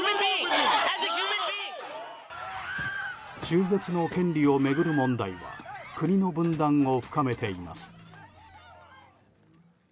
中絶の権利を巡る問題は国の分断を深めています。